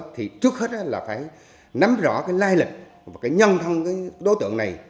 thì trước hết là phải nắm rõ cái lai lịch và cái nhân thân cái đối tượng này